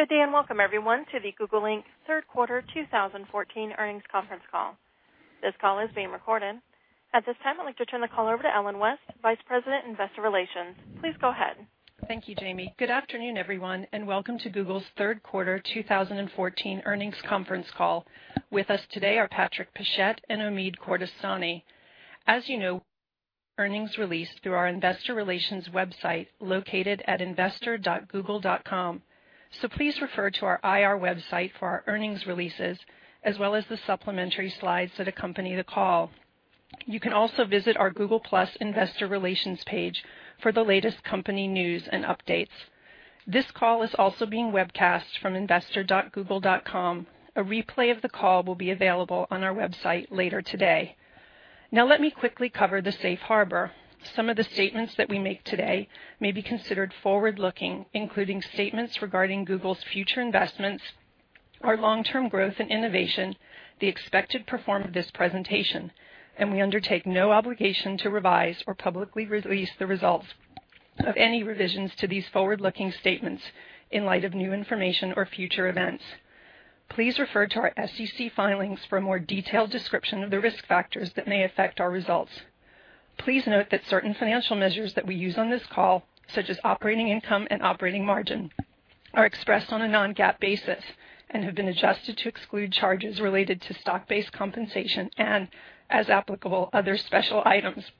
Good day and welcome, everyone, to the Google Inc. Third Quarter 2014 Earnings Conference Call. This call is being recorded. At this time, I'd like to turn the call over to Ellen West, Vice President, Investor Relations. Please go ahead. Thank you, Jamie. Good afternoon, everyone, and welcome to Google's Third Quarter 2014 Earnings Conference Call. With us today are Patrick Pichette and Omid Kordestani. As you know, earnings release through our Investor Relations website located at investor.google.com. So please refer to our IR website for our earnings releases, as well as the supplementary slides that accompany the call. You can also visit our Google+ Investor Relations page for the latest company news and updates. This call is also being webcast from investor.google.com. A replay of the call will be available on our website later today. Now, let me quickly cover the safe harbor. Some of the statements that we make today may be considered forward-looking, including statements regarding Google's future investments, our long-term growth and innovation, the expected performance of this presentation. We undertake no obligation to revise or publicly release the results of any revisions to these forward-looking statements in light of new information or future events. Please refer to our SEC filings for a more detailed description of the risk factors that may affect our results. Please note that certain financial measures that we use on this call, such as operating income and operating margin, are expressed on a non-GAAP basis and have been adjusted to exclude charges related to stock-based compensation and, as applicable, other special items.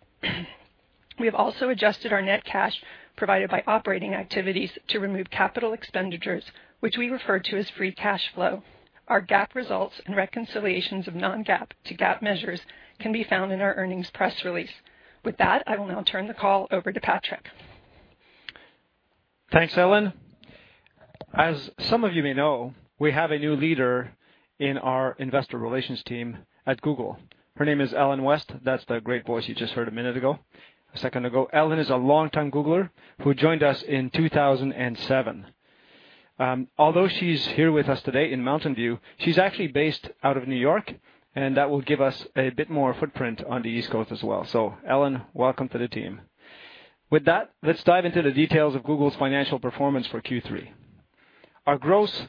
We have also adjusted our net cash provided by operating activities to remove capital expenditures, which we refer to as free cash flow. Our GAAP results and reconciliations of non-GAAP to GAAP measures can be found in our earnings press release. With that, I will now turn the call over to Patrick. Thanks, Ellen. As some of you may know, we have a new leader in our Investor Relations team at Google. Her name is Ellen West. That's the great voice you just heard a minute ago, a second ago. Ellen is a long-time Googler who joined us in 2007. Although she's here with us today in Mountain View, she's actually based out of New York, and that will give us a bit more footprint on the East Coast as well. So, Ellen, welcome to the team. With that, let's dive into the details of Google's financial performance for Q3. Our gross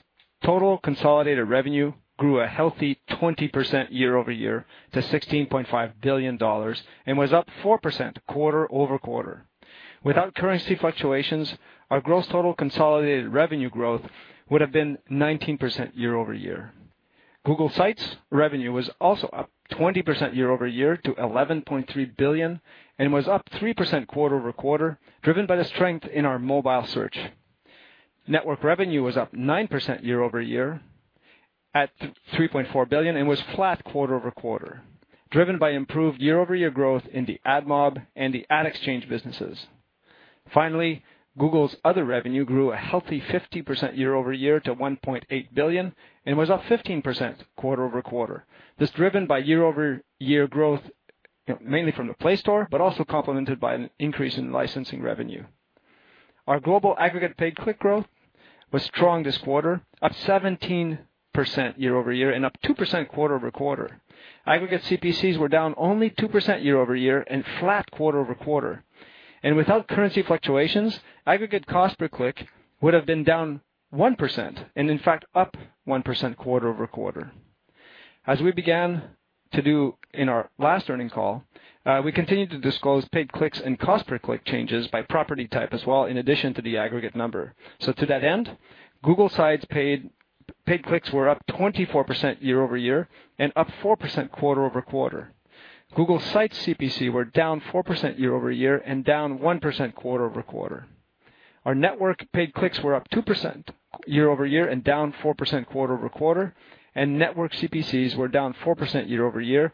total consolidated revenue grew a healthy 20% year over year to $16.5 billion and was up 4% quarter over quarter. Without currency fluctuations, our gross total consolidated revenue growth would have been 19% year over year. Google Sites revenue was also up 20% year over year to $11.3 billion and was up 3% quarter over quarter, driven by the strength in our mobile search. Network revenue was up 9% year over year at $3.4 billion and was flat quarter over quarter, driven by improved year over year growth in the AdMob and the Ad Exchange businesses. Finally, Google's other revenue grew a healthy 50% year over year to $1.8 billion and was up 15% quarter over quarter. This was driven by year over year growth mainly from the Play Store, but also complemented by an increase in licensing revenue. Our global aggregate paid click growth was strong this quarter, up 17% year over year and up 2% quarter over quarter. Aggregate CPCs were down only 2% year over year and flat quarter over quarter. Without currency fluctuations, aggregate cost per click would have been down 1% and, in fact, up 1% quarter over quarter. As we began to do in our last earnings call, we continued to disclose paid clicks and cost per click changes by property type as well, in addition to the aggregate number. To that end, Google Sites paid clicks were up 24% year over year and up 4% quarter over quarter. Google Sites CPCs were down 4% year over year and down 1% quarter over quarter. Our Network paid clicks were up 2% year over year and down 4% quarter over quarter. Network CPCs were down 4% year over year,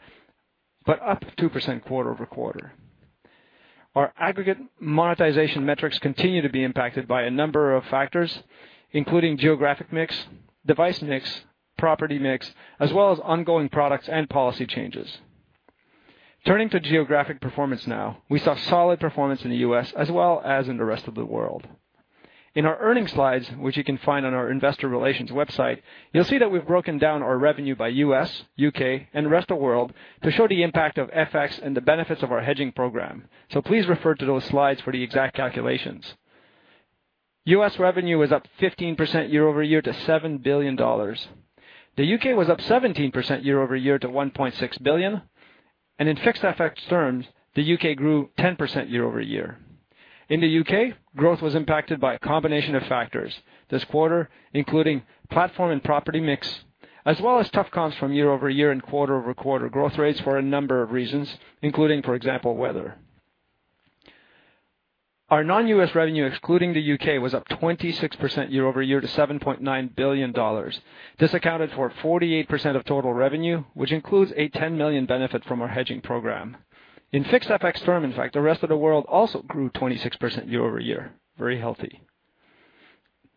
but up 2% quarter over quarter. Our aggregate monetization metrics continue to be impacted by a number of factors, including geographic mix, device mix, property mix, as well as ongoing products and policy changes. Turning to geographic performance now, we saw solid performance in the U.S. as well as in the rest of the world. In our earnings slides, which you can find on our Investor Relations website, you'll see that we've broken down our revenue by U.S., U.K., and the rest of the world to show the impact of FX and the benefits of our hedging program. So, please refer to those slides for the exact calculations. U.S. revenue was up 15% year over year to $7 billion. The U.K. was up 17% year over year to $1.6 billion. And in fixed FX terms, the U.K. grew 10% year over year. In the U.K., growth was impacted by a combination of factors this quarter, including platform and property mix, as well as tough comps from year over year and quarter over quarter growth rates for a number of reasons, including, for example, weather. Our non-U.S. revenue, excluding the U.K., was up 26% year over year to $7.9 billion. This accounted for 48% of total revenue, which includes a $10 million benefit from our hedging program. In fixed FX terms, in fact, the rest of the world also grew 26% year over year. Very healthy.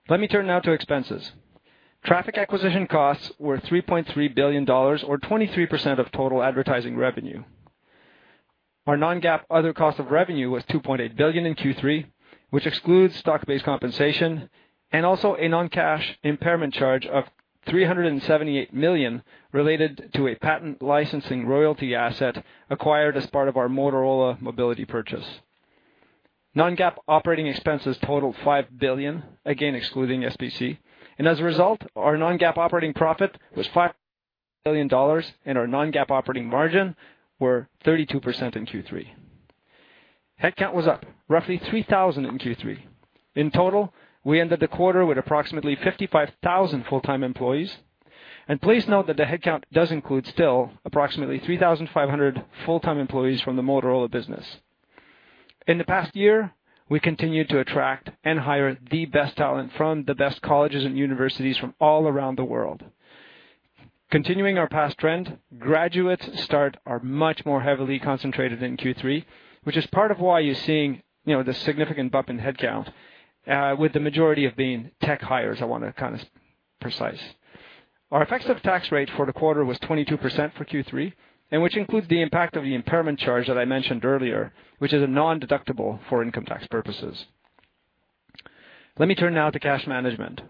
Let me turn now to expenses. Traffic acquisition costs were $3.3 billion, or 23% of total advertising revenue. Our non-GAAP other cost of revenue was $2.8 billion in Q3, which excludes stock-based compensation and also a non-cash impairment charge of $378 million related to a patent licensing royalty asset acquired as part of our Motorola Mobility purchase. Non-GAAP operating expenses totaled $5 billion, again excluding SBC, and as a result, our non-GAAP operating profit was $5 billion, and our non-GAAP operating margin were 32% in Q3. Headcount was up roughly 3,000 in Q3. In total, we ended the quarter with approximately 55,000 full-time employees. And please note that the headcount does include still approximately 3,500 full-time employees from the Motorola business. In the past year, we continued to attract and hire the best talent from the best colleges and universities from all around the world. Continuing our past trend, graduate starts are much more heavily concentrated in Q3, which is part of why you're seeing the significant bump in headcount, with the majority being tech hires, I want to kind of precise. Our effective tax rate for the quarter was 22% for Q3, which includes the impact of the impairment charge that I mentioned earlier, which is a non-deductible for income tax purposes. Let me turn now to cash management.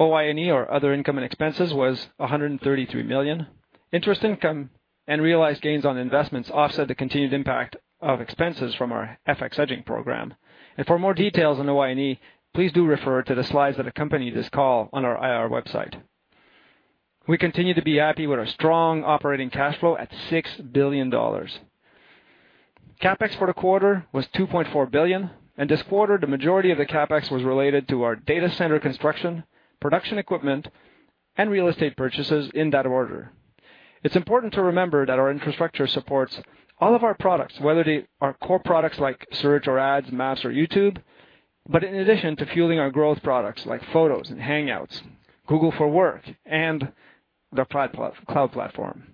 OI&E, or other income and expenses, was $133 million. Interest income and realized gains on investments offset the continued impact of expenses from our FX hedging program. For more details on OI&E, please do refer to the slides that accompany this call on our IR website. We continue to be happy with our strong operating cash flow at $6 billion. CapEx for the quarter was $2.4 billion. This quarter, the majority of the CapEx was related to our data center construction, production equipment, and real estate purchases in that order. It's important to remember that our infrastructure supports all of our products, whether they are core products like search or ads, Maps, or YouTube, but in addition to fueling our growth products like Photos and Hangouts, Google for Work, and the Cloud Platform.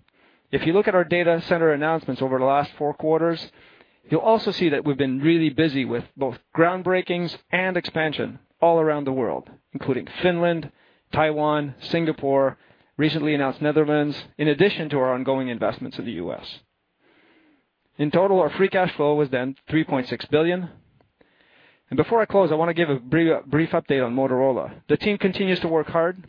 If you look at our data center announcements over the last four quarters, you'll also see that we've been really busy with both groundbreakings and expansion all around the world, including Finland, Taiwan, Singapore, recently announced Netherlands, in addition to our ongoing investments in the U.S. In total, our free cash flow was then $3.6 billion, and before I close, I want to give a brief update on Motorola. The team continues to work hard,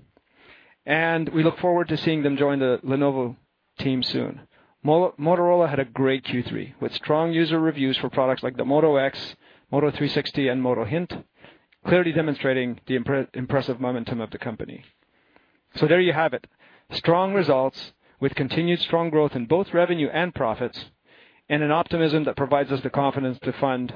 and we look forward to seeing them join the Lenovo team soon. Motorola had a great Q3 with strong user reviews for products like the Moto X, Moto 360, and Moto Hint, clearly demonstrating the impressive momentum of the company, so there you have it. Strong results with continued strong growth in both revenue and profits, and an optimism that provides us the confidence to fund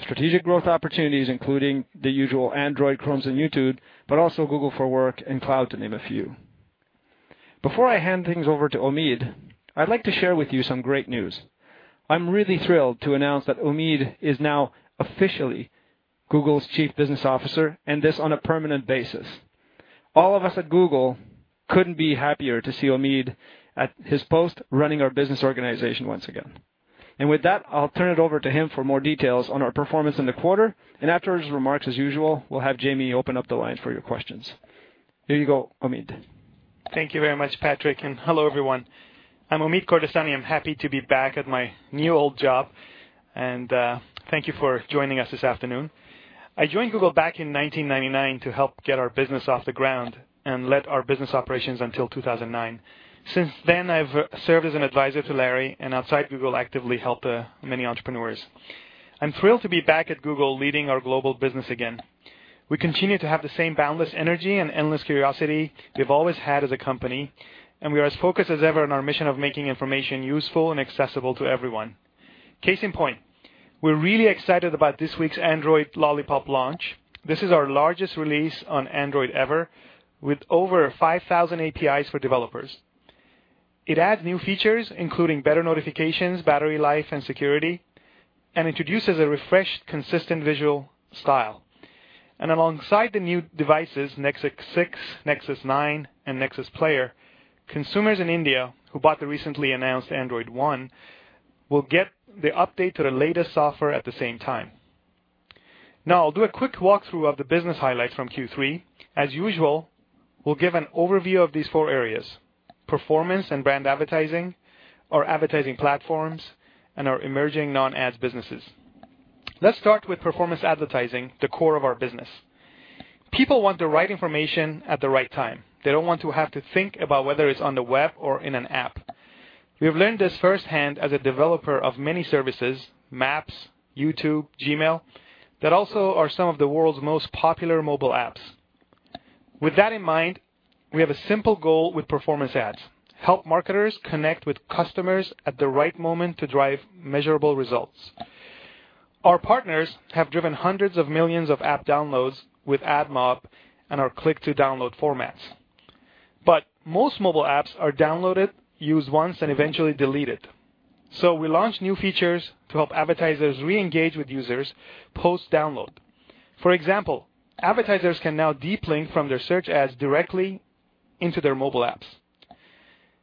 strategic growth opportunities, including the usual Android, Chrome, and YouTube, but also Google for Work and Cloud, to name a few. Before I hand things over to Omid, I'd like to share with you some great news. I'm really thrilled to announce that Omid is now officially Google's Chief Business Officer, and this on a permanent basis. All of us at Google couldn't be happier to see Omid at his post running our business organization once again, and with that, I'll turn it over to him for more details on our performance in the quarter, and after his remarks, as usual, we'll have Jamie open up the line for your questions. Here you go, Omid. Thank you very much, Patrick. Hello, everyone. I'm Omid Kordestani. I'm happy to be back at my new old job. Thank you for joining us this afternoon. I joined Google back in 1999 to help get our business off the ground and led our business operations until 2009. Since then, I've served as an advisor to Larry and outside Google actively helped many entrepreneurs. I'm thrilled to be back at Google leading our global business again. We continue to have the same boundless energy and endless curiosity we've always had as a company. We are as focused as ever on our mission of making information useful and accessible to everyone. Case in point, we're really excited about this week's Android Lollipop launch. This is our largest release on Android ever, with over 5,000 APIs for developers. It adds new features, including better notifications, battery life, and security, and introduces a refreshed, consistent visual style, and alongside the new devices, Nexus 6, Nexus 9, and Nexus Player, consumers in India who bought the recently announced Android One will get the update to the latest software at the same time. Now, I'll do a quick walkthrough of the business highlights from Q3. As usual, we'll give an overview of these four areas: performance and brand advertising, our advertising platforms, and our emerging non-ads businesses. Let's start with performance advertising, the core of our business. People want the right information at the right time. They don't want to have to think about whether it's on the web or in an app. We have learned this firsthand as a developer of many services: Maps, YouTube, Gmail, that also are some of the world's most popular mobile apps. With that in mind, we have a simple goal with performance ads: help marketers connect with customers at the right moment to drive measurable results. Our partners have driven hundreds of millions of app downloads with AdMob and our click-to-download formats. But most mobile apps are downloaded, used once, and eventually deleted. So we launched new features to help advertisers re-engage with users post-download. For example, advertisers can now deep link from their search ads directly into their mobile apps.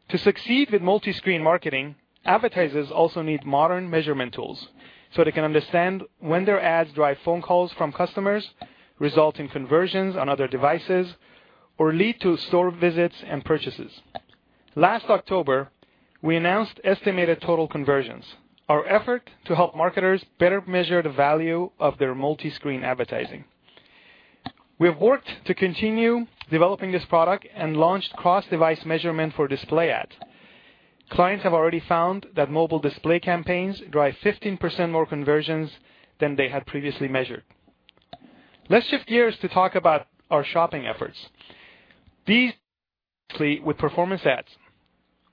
To succeed with multi-screen marketing, advertisers also need modern measurement tools so they can understand when their ads drive phone calls from customers, result in conversions on other devices, or lead to store visits and purchases. Last October, we announced Estimated Total Conversions, our effort to help marketers better measure the value of their multi-screen advertising. We have worked to continue developing this product and launched cross-device measurement for display ads. Clients have already found that mobile display campaigns drive 15% more conversions than they had previously measured. Let's shift gears to talk about our shopping efforts. These deal directly with performance ads.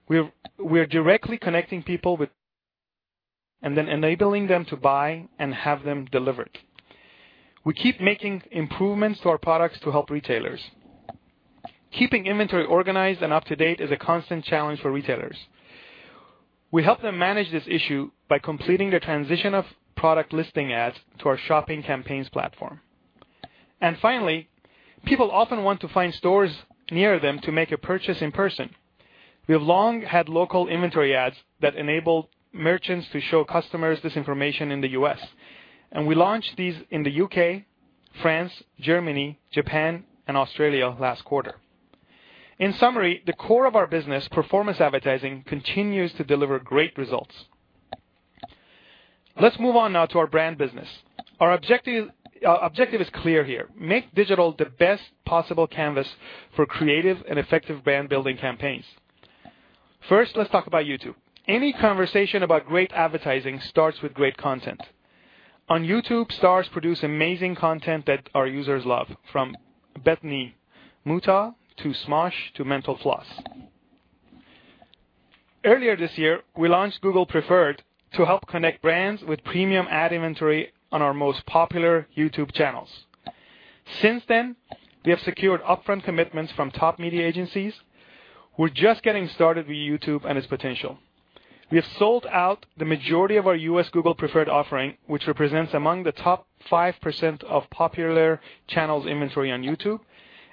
We are directly connecting people with and then enabling them to buy and have them delivered. We keep making improvements to our products to help retailers. Keeping inventory organized and up to date is a constant challenge for retailers. We help them manage this issue by completing the transition of Product Listing Ads to our Shopping Campaigns platform. And finally, people often want to find stores near them to make a purchase in person. We have long had Local Inventory Ads that enable merchants to show customers this information in the US. And we launched these in the U.K., France, Germany, Japan, and Australia last quarter. In summary, the core of our business, performance advertising, continues to deliver great results. Let's move on now to our brand business. Our objective is clear here: make digital the best possible canvas for creative and effective brand-building campaigns. First, let's talk about YouTube. Any conversation about great advertising starts with great content. On YouTube, stars produce amazing content that our users love, from Bethany Mota to Smosh to Mental Floss. Earlier this year, we launched Google Preferred to help connect brands with premium ad inventory on our most popular YouTube channels. Since then, we have secured upfront commitments from top media agencies. We're just getting started with YouTube and its potential. We have sold out the majority of our U.S. Google Preferred offering, which represents among the top 5% of popular channels' inventory on YouTube.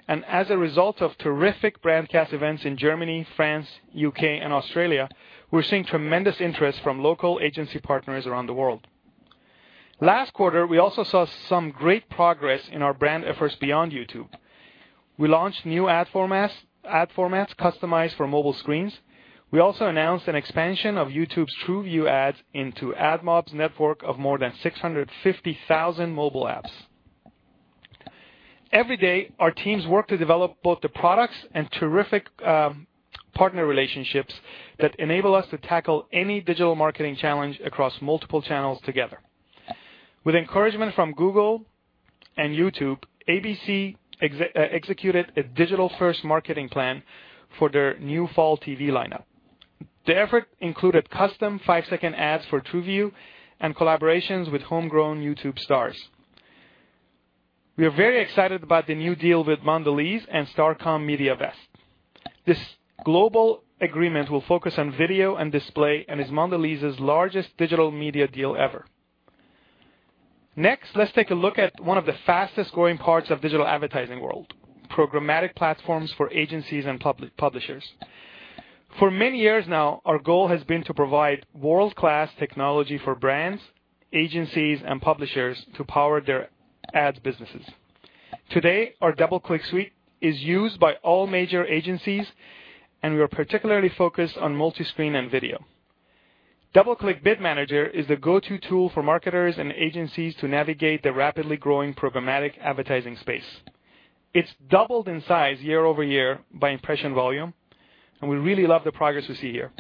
As a result of terrific Brandcast events in Germany, France, U.K., and Australia, we're seeing tremendous interest from local agency partners around the world. Last quarter, we also saw some great progress in our brand efforts beyond YouTube. We launched new ad formats customized for mobile screens. We also announced an expansion of YouTube's TrueView ads into AdMob's network of more than 650,000 mobile apps. Every day, our teams work to develop both the products and terrific partner relationships that enable us to tackle any digital marketing challenge across multiple channels together. With encouragement from Google and YouTube, ABC executed a digital-first marketing plan for their new fall TV lineup. The effort included custom five-second ads for TrueView and collaborations with homegrown YouTube stars. We are very excited about the new deal with Mondelez and Starcom MediaVest. This global agreement will focus on video and display and is Mondelez's largest digital media deal ever. Next, let's take a look at one of the fastest-growing parts of the digital advertising world: programmatic platforms for agencies and publishers. For many years now, our goal has been to provide world-class technology for brands, agencies, and publishers to power their ads businesses. Today, our DoubleClick suite is used by all major agencies, and we are particularly focused on multi-screen and video. DoubleClick Bid Manager is the go-to tool for marketers and agencies to navigate the rapidly growing programmatic advertising space. It's doubled in size year over year by impression volume, and we really love the progress we see here.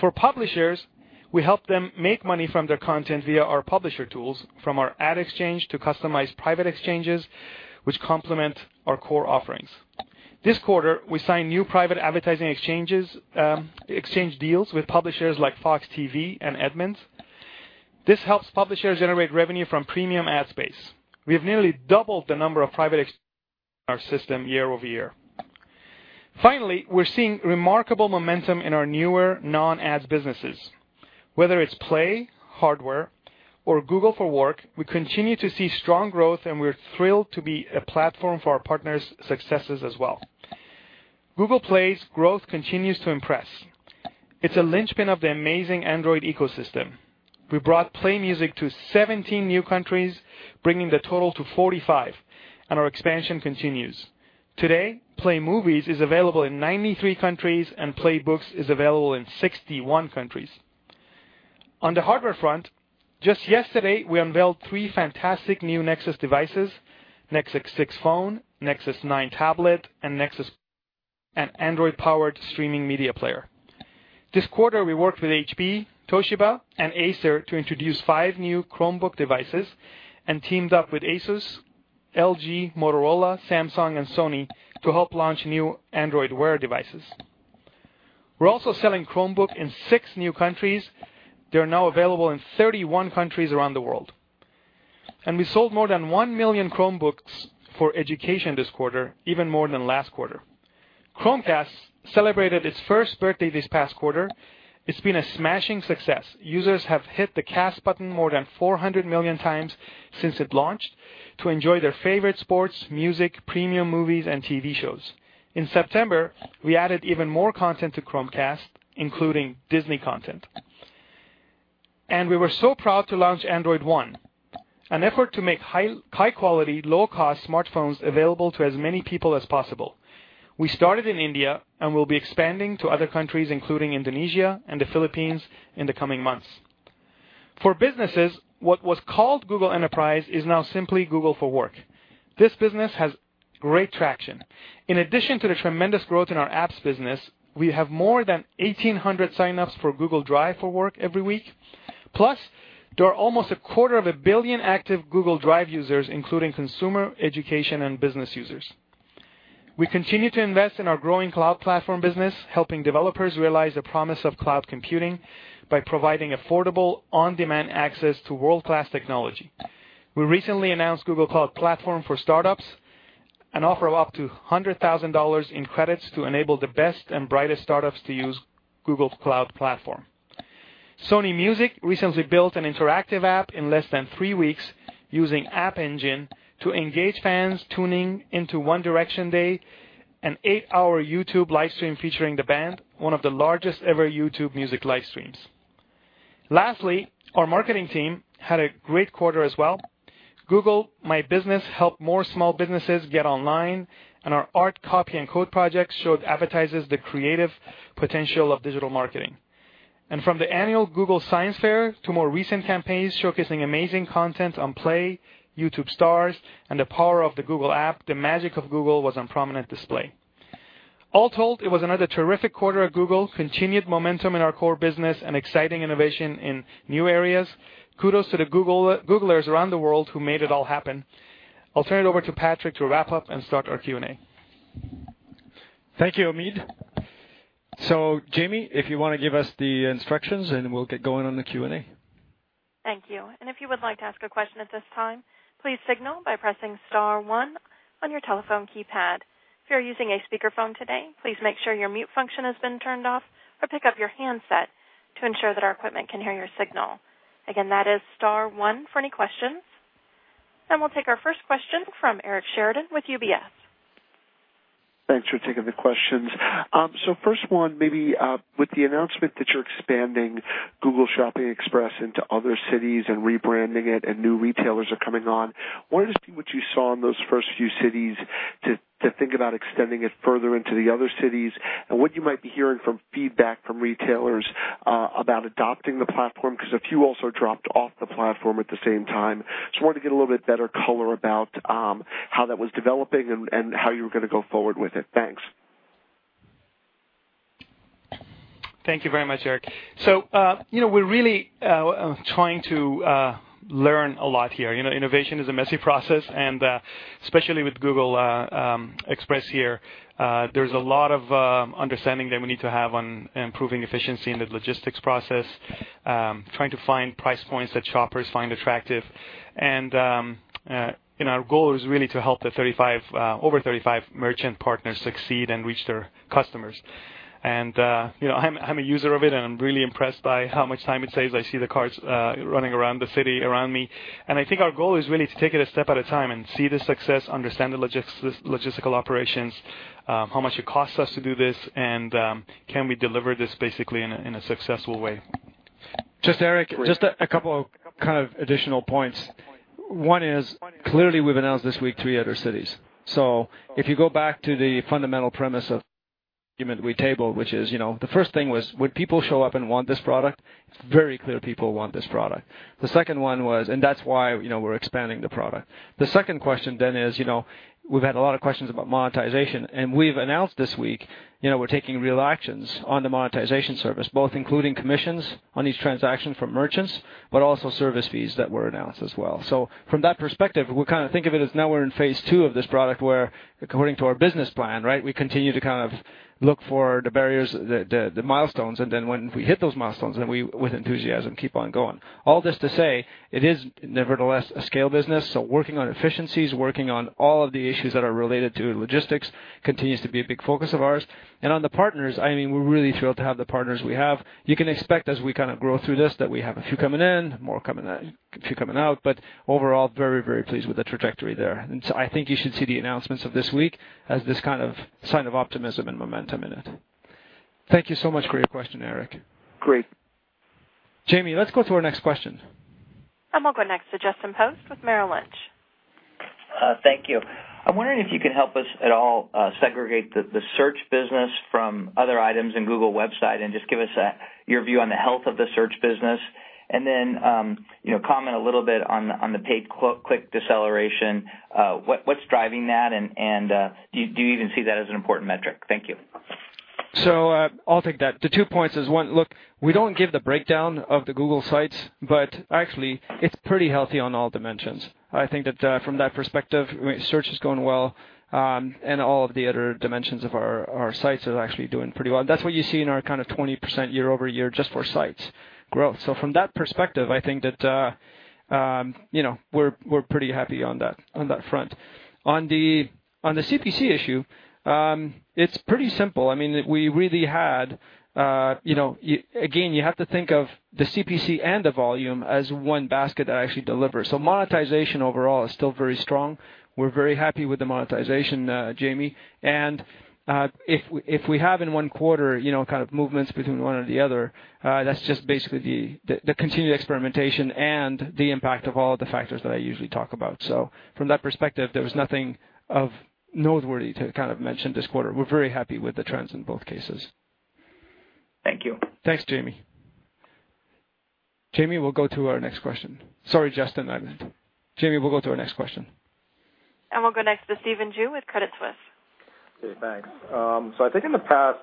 For publishers, we help them make money from their content via our publisher tools, from our Ad Exchange to customized private exchanges, which complement our core offerings. This quarter, we signed new private advertising exchange deals with publishers like Fox TV and Edmunds. This helps publishers generate revenue from premium ad space. We have nearly doubled the number of private exchanges in our system year over year. Finally, we're seeing remarkable momentum in our newer non-ads businesses. Whether it's Play, Hardware, or Google for Work, we continue to see strong growth, and we're thrilled to be a platform for our partners' successes as well. Google Play's growth continues to impress. It's a linchpin of the amazing Android ecosystem. We brought Play Music to 17 new countries, bringing the total to 45, and our expansion continues. Today, Play Movies is available in 93 countries, and Play Books is available in 61 countries. On the hardware front, just yesterday, we unveiled three fantastic new Nexus devices: Nexus 6 phone, Nexus 9 tablet, and Nexus Player, an Android-powered streaming media player. This quarter, we worked with HP, Toshiba, and Acer to introduce five new Chromebook devices and teamed up with Asus, LG, Motorola, Samsung, and Sony to help launch new Android Wear devices. We're also selling Chromebooks in six new countries. They're now available in 31 countries around the world. We sold more than one million Chromebooks for education this quarter, even more than last quarter. Chromecast celebrated its first birthday this past quarter. It's been a smashing success. Users have hit the Cast button more than 400 million times since it launched to enjoy their favorite sports, music, premium movies, and TV shows. In September, we added even more content to Chromecast, including Disney content. We were so proud to launch Android One, an effort to make high-quality, low-cost smartphones available to as many people as possible. We started in India and will be expanding to other countries, including Indonesia and the Philippines, in the coming months. For businesses, what was called Google Enterprise is now simply Google for Work. This business has great traction. In addition to the tremendous growth in our apps business, we have more than 1,800 sign-ups for Google Drive for Work every week. Plus, there are almost 250 million active Google Drive users, including consumer, education, and business users. We continue to invest in our growing cloud platform business, helping developers realize the promise of cloud computing by providing affordable, on-demand access to world-class technology. We recently announced Google Cloud Platform for Startups, an offer of up to $100,000 in credits to enable the best and brightest startups to use Google Cloud Platform. Sony Music recently built an interactive app in less than three weeks using App Engine to engage fans tuning into One Direction Day, an eight-hour YouTube livestream featuring the band, one of the largest ever YouTube music livestreams. Lastly, our marketing team had a great quarter as well. Google My Business helped more small businesses get online, and our Art, Copy & Code projects showed advertisers the creative potential of digital marketing, and from the annual Google Science Fair to more recent campaigns showcasing amazing content on Play, YouTube stars, and the power of the Google app, the magic of Google was on prominent display. All told, it was another terrific quarter at Google, continued momentum in our core business, and exciting innovation in new areas. Kudos to the Googlers around the world who made it all happen. I'll turn it over to Patrick to wrap up and start our Q&A. Thank you, Omid. So, Jamie, if you want to give us the instructions, and we'll get going on the Q&A. Thank you. And if you would like to ask a question at this time, please signal by pressing Star 1 on your telephone keypad. If you're using a speakerphone today, please make sure your mute function has been turned off or pick up your handset to ensure that our equipment can hear your signal. Again, that is Star 1 for any questions. And we'll take our first question from Eric Sheridan with UBS. Thanks for taking the questions. So, first one, maybe with the announcement that you're expanding Google Shopping Express into other cities and rebranding it, and new retailers are coming on, I wanted to see what you saw in those first few cities to think about extending it further into the other cities and what you might be hearing from feedback from retailers about adopting the platform because a few also dropped off the platform at the same time. Just wanted to get a little bit better color about how that was developing and how you were going to go forward with it. Thanks. Thank you very much, Eric. So we're really trying to learn a lot here. Innovation is a messy process, and especially with Google Express here, there's a lot of understanding that we need to have on improving efficiency in the logistics process, trying to find price points that shoppers find attractive. Our goal is really to help the over 35 merchant partners succeed and reach their customers. I'm a user of it, and I'm really impressed by how much time it saves. I see the cars running around the city around me. I think our goal is really to take it a step at a time and see the success, understand the logistical operations, how much it costs us to do this, and can we deliver this basically in a successful way. Just Eric, just a couple of kind of additional points. One is, clearly, we've announced this week three other cities. If you go back to the fundamental premise of the argument we tabled, which is the first thing was, would people show up and want this product? It's very clear people want this product. The second one was, and that's why we're expanding the product. The second question then is, we've had a lot of questions about monetization, and we've announced this week we're taking real actions on the monetization service, both including commissions on each transaction for merchants, but also service fees that were announced as well, so from that perspective, we kind of think of it as now we're in phase two of this product where, according to our business plan, right, we continue to kind of look for the barriers, the milestones, and then when we hit those milestones, then we, with enthusiasm, keep on going. All this to say, it is nevertheless a scale business, so working on efficiencies, working on all of the issues that are related to logistics continues to be a big focus of ours, and on the partners, I mean, we're really thrilled to have the partners we have. You can expect, as we kind of grow through this, that we have a few coming in, more coming out, a few coming out, but overall, very, very pleased with the trajectory there. And so I think you should see the announcements of this week as this kind of sign of optimism and momentum in it. Thank you so much for your question, Eric. Great. Jamie, let's go to our next question. I'll go next to Justin Post with Merrill Lynch. Thank you. I'm wondering if you can help us at all segregate the search business from other items in Google websites and just give us your view on the health of the search business, and then comment a little bit on the paid click deceleration. What's driving that, and do you even see that as an important metric? Thank you. So I'll take that. The two points is, one, look, we don't give the breakdown of the Google Sites, but actually, it's pretty healthy on all dimensions. I think that from that perspective, search is going well, and all of the other dimensions of our Sites are actually doing pretty well. And that's what you see in our kind of 20% year over year just for Sites growth. So from that perspective, I think that we're pretty happy on that front. On the CPC issue, it's pretty simple. I mean, we really had, again, you have to think of the CPC and the volume as one basket that actually delivers. So monetization overall is still very strong. We're very happy with the monetization, Jamie. And if we have in one quarter kind of movements between one or the other, that's just basically the continued experimentation and the impact of all the factors that I usually talk about. So from that perspective, there was nothing of noteworthy to kind of mention this quarter. We're very happy with the trends in both cases. Thank you. Thanks, Jamie. Jamie, we'll go to our next question. Sorry, Justin. And we'll go next to Stephen Ju with Credit Suisse. Hey, thanks. So I think in the past,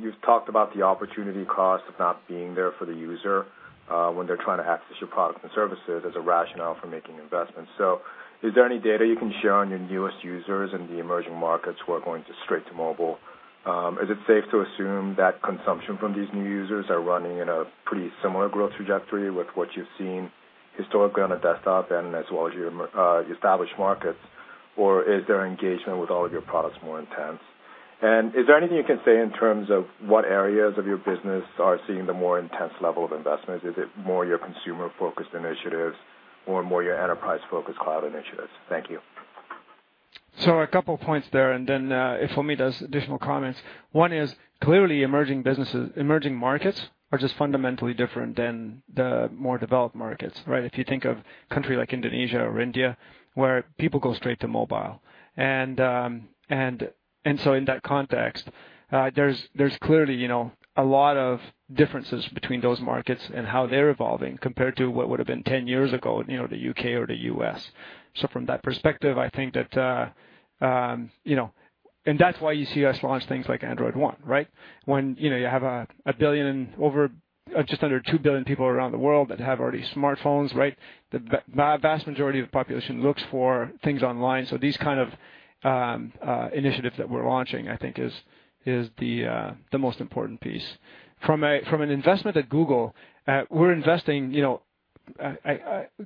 you've talked about the opportunity cost of not being there for the user when they're trying to access your products and services as a rationale for making investments. So is there any data you can share on your newest users in the emerging markets who are going straight to mobile? Is it safe to assume that consumption from these new users are running in a pretty similar growth trajectory with what you've seen historically on a desktop and as well as your established markets, or is their engagement with all of your products more intense? And is there anything you can say in terms of what areas of your business are seeing the more intense level of investment? Is it more your consumer-focused initiatives or more your enterprise-focused cloud initiatives? Thank you. So a couple of points there, and then if Omid has additional comments. One is, clearly, emerging markets are just fundamentally different than the more developed markets, right? If you think of a country like Indonesia or India where people go straight to mobile. So in that context, there's clearly a lot of differences between those markets and how they're evolving compared to what would have been 10 years ago in the U.K. or the U.S. From that perspective, I think that, and that's why you see us launch things like Android One, right? When you have a billion and just under two billion people around the world that have already smartphones, right? The vast majority of the population looks for things online. So these kind of initiatives that we're launching, I think, is the most important piece. From an investment at Google, we're investing,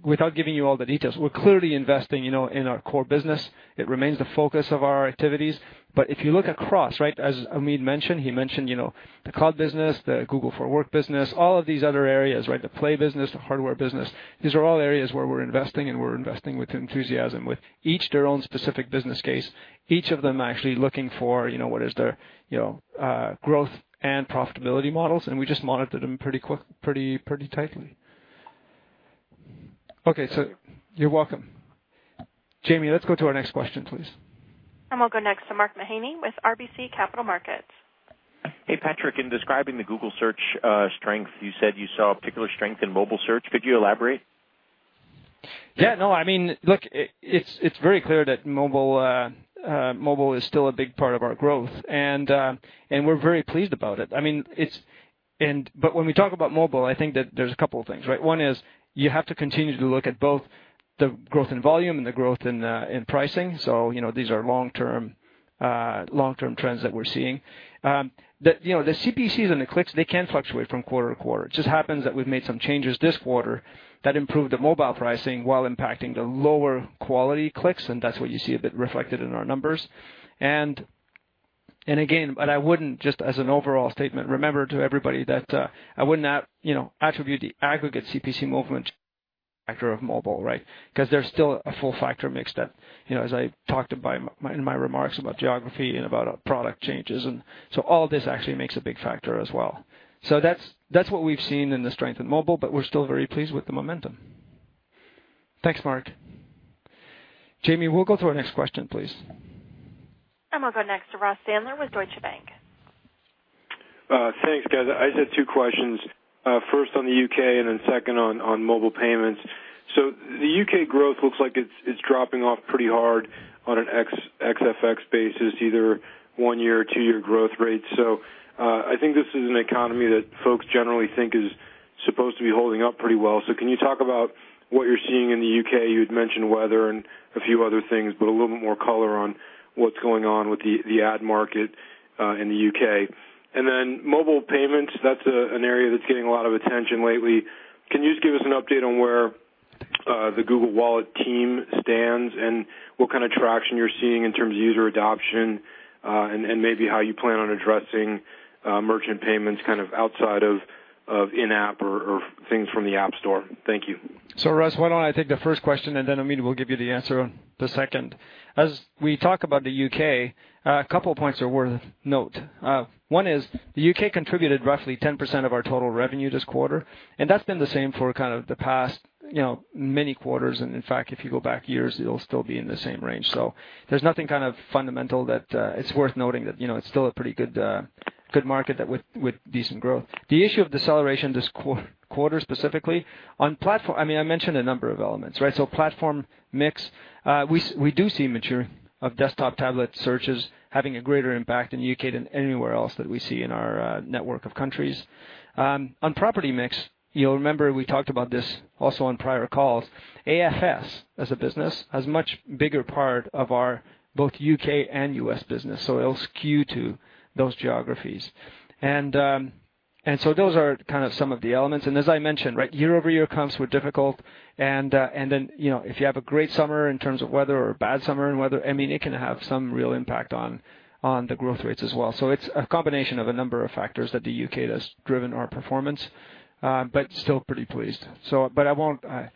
without giving you all the details, we're clearly investing in our core business. It remains the focus of our activities. But if you look across, right, as Omid mentioned, he mentioned the cloud business, the Google for Work business, all of these other areas, right, the Play business, the hardware business, these are all areas where we're investing, and we're investing with enthusiasm with each their own specific business case. Each of them actually looking for what is their growth and profitability models, and we just monitor them pretty tightly. Okay, so you're welcome. Jamie, let's go to our next question, please. And we'll go next to Mark Mahaney with RBC Capital Markets. Hey, Patrick, in describing the Google search strength, you said you saw a particular strength in mobile search. Could you elaborate? Yeah, no, I mean, look, it's very clear that mobile is still a big part of our growth, and we're very pleased about it. I mean, but when we talk about mobile, I think that there's a couple of things, right? One is you have to continue to look at both the growth in volume and the growth in pricing. So these are long-term trends that we're seeing. The CPCs and the clicks, they can fluctuate from quarter to quarter. It just happens that we've made some changes this quarter that improved the mobile pricing while impacting the lower quality clicks, and that's what you see a bit reflected in our numbers. And again, but I wouldn't, just as an overall statement, remember to everybody that I wouldn't attribute the aggregate CPC movement to the factor of mobile, right? Because there's still a full factor mix that, as I talked about in my remarks about geography and about product changes. And so all this actually makes a big factor as well. So that's what we've seen in the strength in mobile, but we're still very pleased with the momentum. Thanks, Mark. Jamie, we'll go to our next question, please. And we'll go next to Ross Sandler with Deutsche Bank. Thanks, guys. I just had two questions. First, on the U.K., and then second on mobile payments. So the U.K. growth looks like it's dropping off pretty hard on an ex-FX basis, either one-year or two-year growth rates. So I think this is an economy that folks generally think is supposed to be holding up pretty well. So can you talk about what you're seeing in the U.K.? You had mentioned weather and a few other things, but a little more color on what's going on with the ad market in the U.K. And then mobile payments, that's an area that's getting a lot of attention lately. Can you just give us an update on where the Google Wallet team stands and what kind of traction you're seeing in terms of user adoption and maybe how you plan on addressing merchant payments kind of outside of in-app or things from the app store? Thank you. So Ross, why don't I take the first question, and then Omid will give you the answer on the second. As we talk about the U.K., a couple of points are worth note. One is the U.K. contributed roughly 10% of our total revenue this quarter, and that's been the same for kind of the past many quarters. And in fact, if you go back years, it'll still be in the same range. So there's nothing kind of fundamental that it's worth noting that it's still a pretty good market with decent growth. The issue of deceleration this quarter specifically, I mean, I mentioned a number of elements, right? So platform mix, we do see maturing of desktop tablet searches having a greater impact in the U.K. than anywhere else that we see in our network of countries. On property mix, you'll remember we talked about this also on prior calls, AFS as a business has a much bigger part of our both U.K. and U.S. business, so it'll skew to those geographies. And as I mentioned, right, year over year comes with difficulty. And then if you have a great summer in terms of weather or a bad summer in weather, I mean, it can have some real impact on the growth rates as well. So it's a combination of a number of factors that the U.K. has driven our performance, but still pretty pleased. But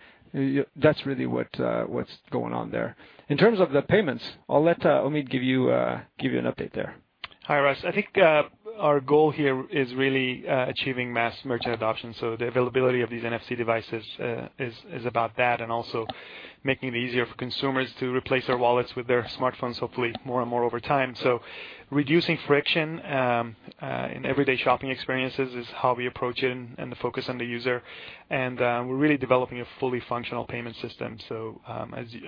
that's really what's going on there. In terms of the payments, I'll let Omid give you an update there. Hi, Ross. I think our goal here is really achieving mass merchant adoption. So the availability of these NFC devices is about that and also making it easier for consumers to replace their wallets with their smartphones, hopefully, more and more over time. So reducing friction in everyday shopping experiences is how we approach it and the focus on the user. And we're really developing a fully functional payment system. So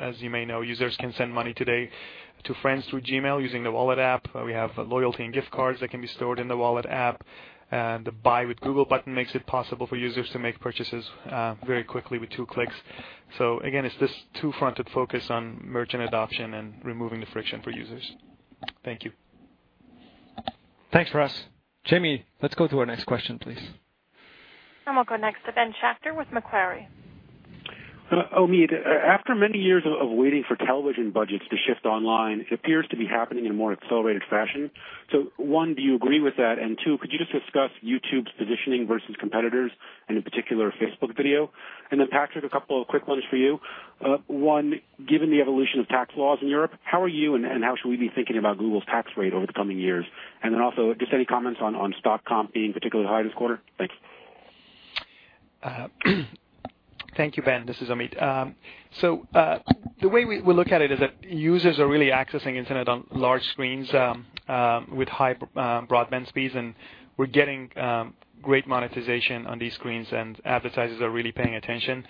as you may know, users can send money today to friends through Gmail using the Wallet app. We have loyalty and gift cards that can be stored in the Wallet app. The Buy with Google button makes it possible for users to make purchases very quickly with two clicks. So again, it's this two-fronted focus on merchant adoption and removing the friction for users. Thank you. Thanks, Ross. Jamie, let's go to our next question, please. And we'll go next to Ben Schachter with Macquarie. Omid, after many years of waiting for television budgets to shift online, it appears to be happening in a more accelerated fashion. So one, do you agree with that? And two, could you just discuss YouTube's positioning versus competitors, and in particular, Facebook video? And then Patrick, a couple of quick ones for you. One, given the evolution of tax laws in Europe, how are you and how should we be thinking about Google's tax rate over the coming years? And then also just any comments on stock comp being particularly high this quarter? Thanks. Thank you, Ben. This is Omid, so the way we look at it is that users are really accessing internet on large screens with high broadband speeds, and we're getting great monetization on these screens, and advertisers are really paying attention,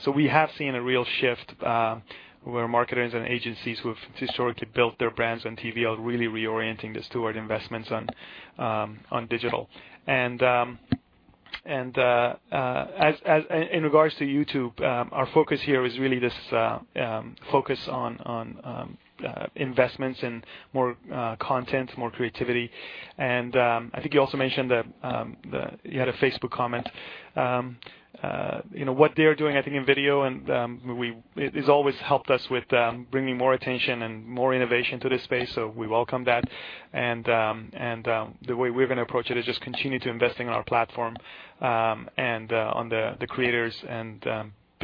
so we have seen a real shift where marketers and agencies who have historically built their brands on TV are really reorienting this toward investments on digital, and in regards to YouTube, our focus here is really this focus on investments in more content, more creativity, and I think you also mentioned that you had a Facebook comment. What they're doing, I think, in video has always helped us with bringing more attention and more innovation to this space, so we welcome that. The way we're going to approach it is just continue to invest in our platform and on the creators and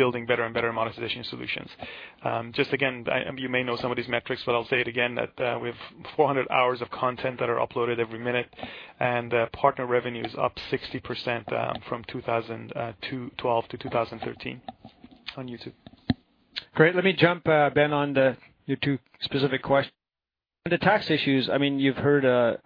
building better and better monetization solutions. Just again, you may know some of these metrics, but I'll say it again that we have 400 hours of content that are uploaded every minute, and partner revenue is up 60% from 2012-2013 on YouTube. Great. Let me jump, Ben, on the two specific questions. On the tax issues, I mean, you've heard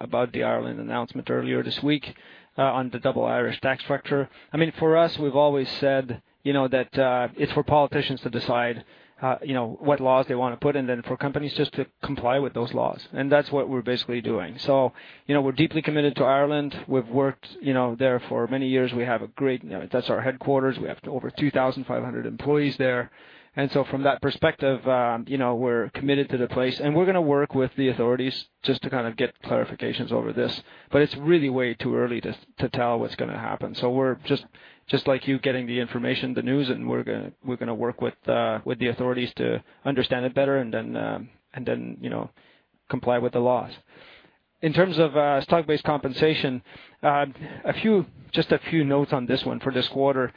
about the Ireland announcement earlier this week on the Double Irish tax structure. I mean, for us, we've always said that it's for politicians to decide what laws they want to put in and then for companies just to comply with those laws. And that's what we're basically doing. So we're deeply committed to Ireland. We've worked there for many years. We have a great - that's our headquarters. We have over 2,500 employees there, and so from that perspective, we're committed to the place, and we're going to work with the authorities just to kind of get clarifications over this, but it's really way too early to tell what's going to happen, so we're just like you getting the information, the news, and we're going to work with the authorities to understand it better and then comply with the laws. In terms of stock-based compensation, just a few notes on this one for this quarter.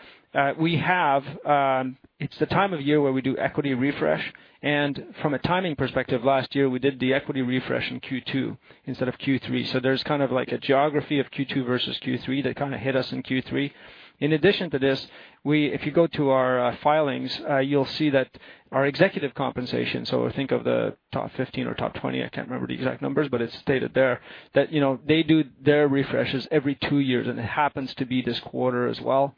It's the time of year where we do equity refresh, and from a timing perspective, last year, we did the equity refresh in Q2 instead of Q3, so there's kind of like a geography of Q2 versus Q3 that kind of hit us in Q3. In addition to this, if you go to our filings, you'll see that our executive compensation, so think of the top 15 or top 20, I can't remember the exact numbers, but it's stated there, that they do their refreshes every two years, and it happens to be this quarter as well.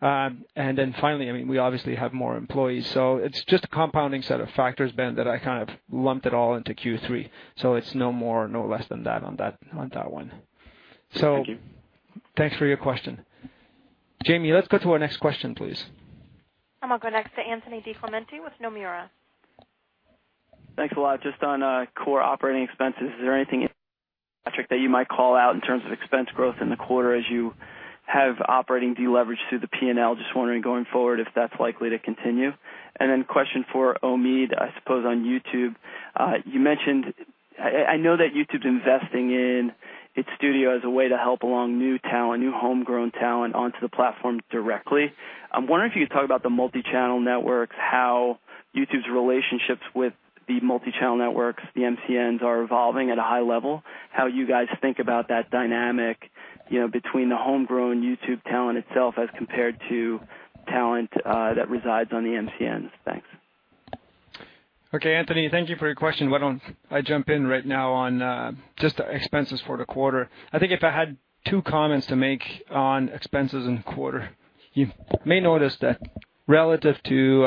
And then finally, I mean, we obviously have more employees. So it's just a compounding set of factors, Ben, that I kind of lumped it all into Q3. So it's no more and no less than that on that one. So thanks for your question. Jamie, let's go to our next question, please. And we'll go next to Anthony DiClemente with Nomura. Thanks a lot. Just on core operating expenses, is there anything, Patrick, that you might call out in terms of expense growth in the quarter as you have operating deleveraged through the P&L? Just wondering going forward if that's likely to continue. And then question for Omid, I suppose, on YouTube. I know that YouTube's investing in its studio as a way to help along new talent, new homegrown talent onto the platform directly. I'm wondering if you could talk about the multi-channel networks, how YouTube's relationships with the multi-channel networks, the MCNs, are evolving at a high level, how you guys think about that dynamic between the homegrown YouTube talent itself as compared to talent that resides on the MCNs. Thanks. Okay, Anthony, thank you for your question. Why don't I jump in right now on just expenses for the quarter? I think if I had two comments to make on expenses in the quarter, you may notice that relative to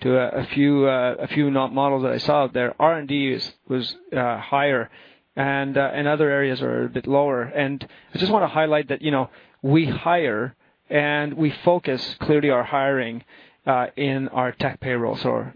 a few models that I saw out there, R&D was higher and other areas are a bit lower. And I just want to highlight that we hire and we focus clearly our hiring in our tech payroll. So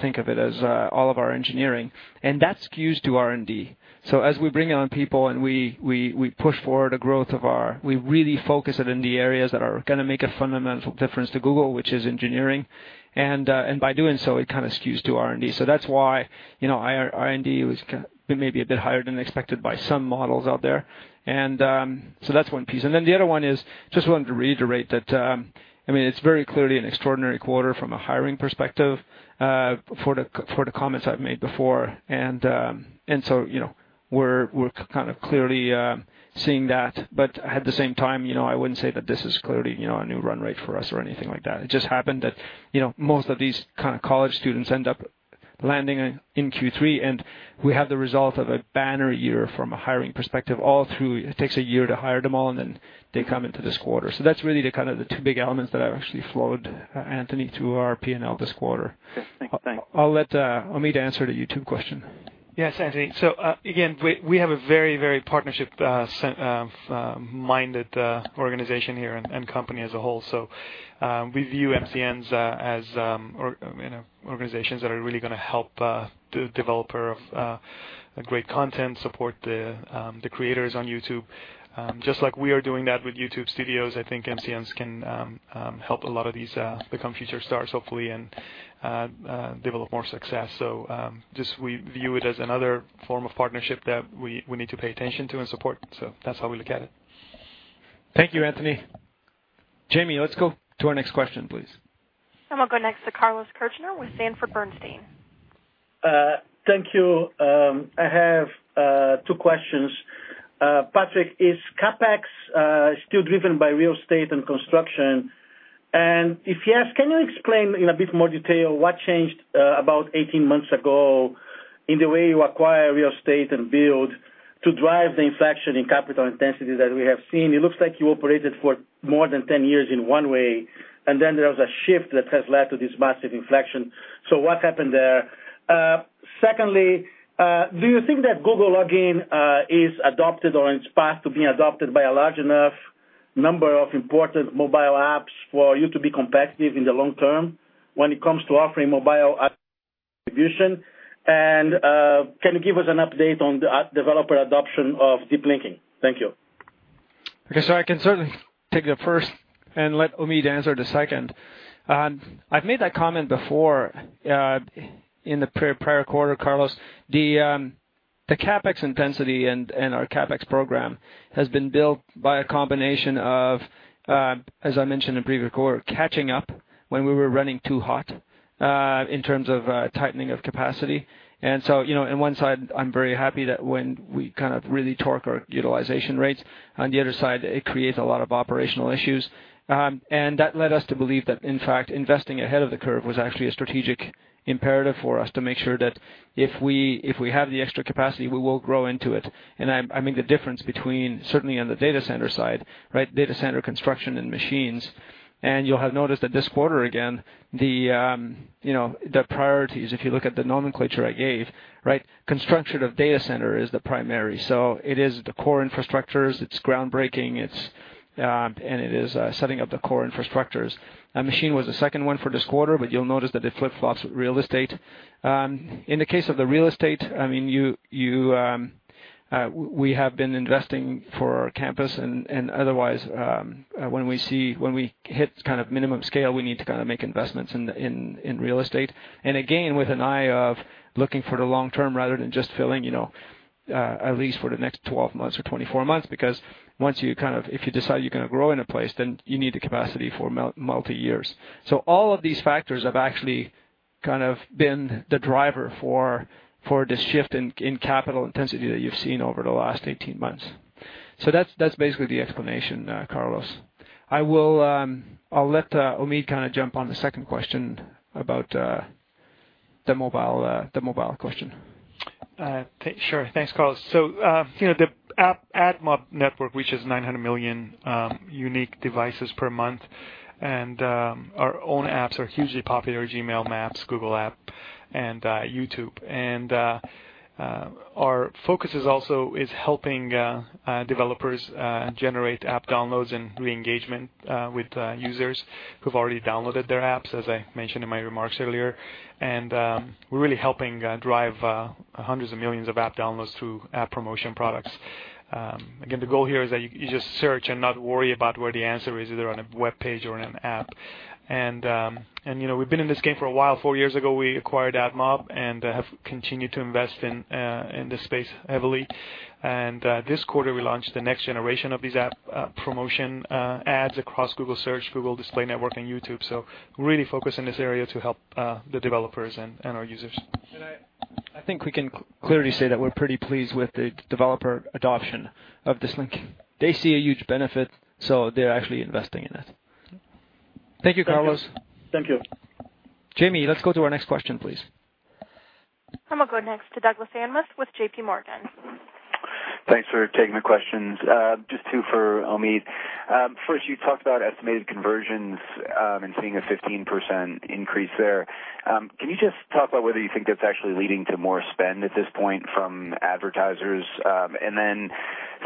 think of it as all of our engineering. And that skews to R&D. So as we bring on people and we push forward a growth—we really focus in the areas that are going to make a fundamental difference to Google, which is engineering. And by doing so, it kind of skews to R&D. So that's why R&D was maybe a bit higher than expected by some models out there. And so that's one piece. And then the other one is just wanted to reiterate that, I mean, it's very clearly an extraordinary quarter from a hiring perspective for the comments I've made before. And so we're kind of clearly seeing that. But at the same time, I wouldn't say that this is clearly a new run rate for us or anything like that. It just happened that most of these kind of college students end up landing in Q3, and we have the result of a banner year from a hiring perspective all through. It takes a year to hire them all, and then they come into this quarter. So that's really kind of the two big elements that I've actually flowed, Anthony, through our P&L this quarter. I'll let Omid answer the YouTube question. Yes, Anthony. So again, we have a very, very partnership-minded organization here and company as a whole. So we view MCNs as organizations that are really going to help the developer of great content, support the creators on YouTube. Just like we are doing that with YouTube studios, I think MCNs can help a lot of these become future stars, hopefully, and develop more success. So just we view it as another form of partnership that we need to pay attention to and support. So that's how we look at it. Thank you, Anthony. Jamie, let's go to our next question, please. And we'll go next to Carlos Kirjner with Sanford C. Bernstein. Thank you. I have two questions. Patrick, is CapEx still driven by real estate and construction? And if yes, can you explain in a bit more detail what changed about 18 months ago in the way you acquire real estate and build to drive the inflection in capital intensity that we have seen? It looks like you operated for more than 10 years in one way, and then there was a shift that has led to this massive inflection. So what happened there? Secondly, do you think that Google login is adopted or in its path to being adopted by a large enough number of important mobile apps for you to be competitive in the long term when it comes to offering mobile distribution? And can you give us an update on the developer adoption of deep linking? Thank you. Okay. So I can certainly take the first and let Omid answer the second. I've made that comment before in the prior quarter, Carlos. The CapEx intensity and our CapEx program has been built by a combination of, as I mentioned in previous quarter, catching up when we were running too hot in terms of tightening of capacity. On one side, I'm very happy that when we kind of really torque our utilization rates, on the other side, it creates a lot of operational issues. That led us to believe that, in fact, investing ahead of the curve was actually a strategic imperative for us to make sure that if we have the extra capacity, we will grow into it. I make the difference between, certainly on the data center side, right, data center construction and machines. You'll have noticed that this quarter, again, the priorities, if you look at the nomenclature I gave, right, construction of data center is the primary. It is the core infrastructures. It's groundbreaking, and it is setting up the core infrastructures. Machine was the second one for this quarter, but you'll notice that it flip-flops with real estate. In the case of the real estate, I mean, we have been investing for our campus and otherwise. When we hit kind of minimum scale, we need to kind of make investments in real estate. And again, with an eye of looking for the long term rather than just filling at least for the next 12 months or 24 months, because once you kind of, if you decide you're going to grow in a place, then you need the capacity for multi-years. So all of these factors have actually kind of been the driver for this shift in capital intensity that you've seen over the last 18 months. So that's basically the explanation, Carlos. I'll let Omid kind of jump on the second question about the mobile question. Sure. Thanks, Carlos. The AdMob network reaches 900 million unique devices per month, and our own apps are hugely popular: Gmail, Maps, Google App, and YouTube. Our focus is also helping developers generate app downloads and re-engagement with users who've already downloaded their apps, as I mentioned in my remarks earlier. We're really helping drive hundreds of millions of app downloads through app promotion products. Again, the goal here is that you just search and not worry about where the answer is, either on a web page or in an app. We've been in this game for a while. Four years ago, we acquired AdMob and have continued to invest in this space heavily. This quarter, we launched the next generation of these app promotion ads across Google Search, Google Display Network, and YouTube. We're really focused in this area to help the developers and our users. And I think we can clearly say that we're pretty pleased with the developer adoption of this link. They see a huge benefit, so they're actually investing in it. Thank you, Carlos. Thank you. Jamie, let's go to our next question, please. And we'll go next to Douglas Anmuth with J.P. Morgan. Thanks for taking the questions. Just two for Omid. First, you talked about Estimated Conversions and seeing a 15% increase there. Can you just talk about whether you think that's actually leading to more spend at this point from advertisers? And then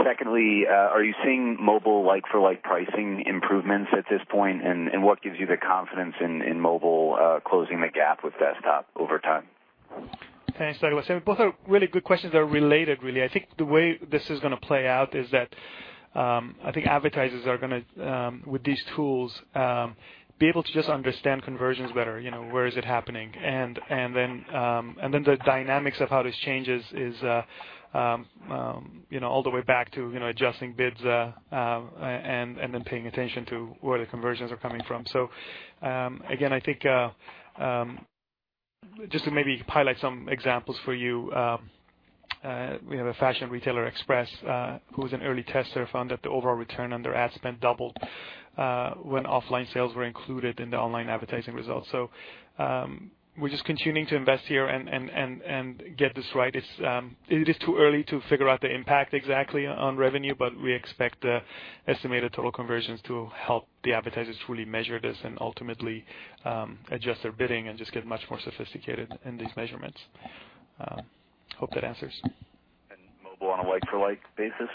secondly, are you seeing mobile like-for-like pricing improvements at this point? And what gives you the confidence in mobile closing the gap with desktop over time? Thanks, Douglas. And both are really good questions that are related, really. I think the way this is going to play out is that I think advertisers are going to, with these tools, be able to just understand conversions better. Where is it happening, and then the dynamics of how this changes is all the way back to adjusting bids and then paying attention to where the conversions are coming from, so again, I think just to maybe highlight some examples for you, we have a fashion retailer Express who was an early tester, found that the overall return on their ad spend doubled when offline sales were included in the online advertising results, so we're just continuing to invest here and get this right. It is too early to figure out the impact exactly on revenue, but we expect Estimated Total Conversions to help the advertisers truly measure this and ultimately adjust their bidding and just get much more sophisticated in these measurements. Hope that answers. And mobile on a like-for-like basis?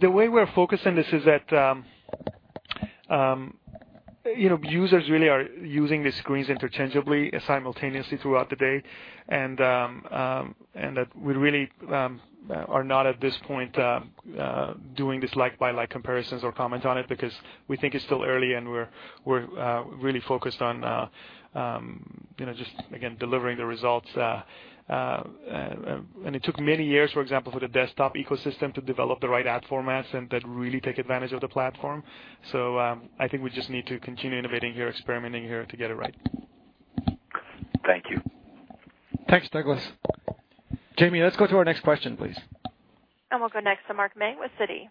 The way we're focused on this is that users really are using the screens interchangeably simultaneously throughout the day. And that we really are not at this point doing these like-for-like comparisons or comments on it because we think it's still early and we're really focused on just, again, delivering the results. And it took many years, for example, for the desktop ecosystem to develop the right ad formats and that really take advantage of the platform. So I think we just need to continue innovating here, experimenting here to get it right. Thank you. Thanks, Douglas. Jamie, let's go to our next question, please, and we'll go next to Mark May with Citi.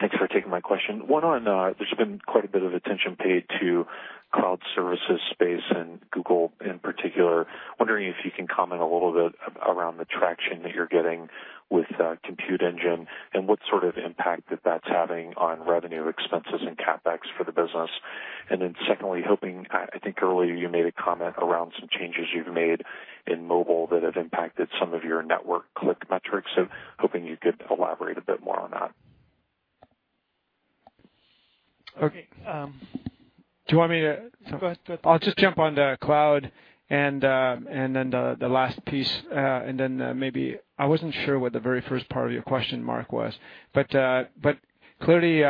Thanks for taking my question. One on there's been quite a bit of attention paid to cloud services space and Google in particular. Wondering if you can comment a little bit around the traction that you're getting with Compute Engine and what sort of impact that that's having on revenue, expenses, and CapEx for the business, and then secondly, hoping I think earlier you made a comment around some changes you've made in mobile that have impacted some of your Network click metrics, so hoping you could elaborate a bit more on that. Okay. Do you want me to go ahead? I'll just jump on the cloud and then the last piece, and then maybe I wasn't sure what the very first part of your question, Mark, was. But clearly,